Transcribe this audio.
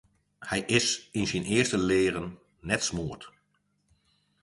Hy is yn syn earste leagen net smoard.